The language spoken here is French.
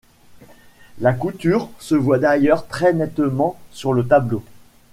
La couture se voit d'ailleurs très nettement sur le tableau.